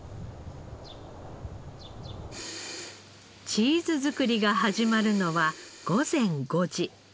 チーズ作りが始まるのは午前５時。